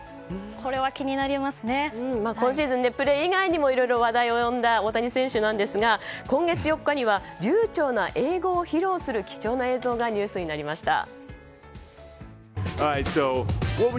今シーズン、プレー以外にもいろいろ話題を呼んだ大谷選手ですが今月４日には流暢な英語を披露する貴重な映像がニュースになりました。